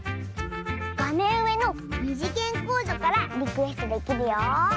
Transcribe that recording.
がめんうえのにじげんコードからリクエストできるよ！